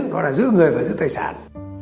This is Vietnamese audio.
nó là giữ người và giữ tài sản